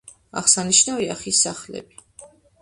აღსანიშნავია ხის სახლები.